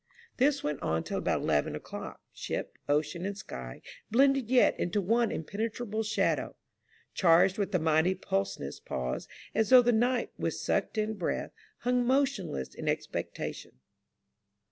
This went on till about eleven o'clock, ship, ocean, and sky blended yet into one impenetrable shadow, charged with the mighty pulseless pause, as though the night, with sucked in breath, hung motionless in expec tation.